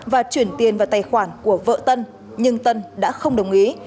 và chuyển tiền vào tài khoản của vợ tân nhưng tân đã không đồng ý